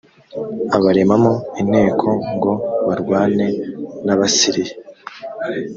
abaremamo inteko ngo barwane n abasiriya